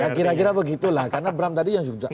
ya kira kira begitulah karena bram tadi yang sudah